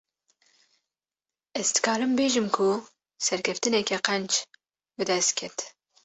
Ez dikarim bêjim ku serkeftineke qenc, bi dest ket